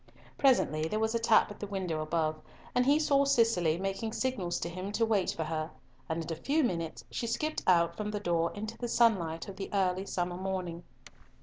Presently there was a tap at the window above, and he saw Cicely making signals to him to wait for her, and in a few minutes she skipped out from the door into the sunlight of the early summer morning.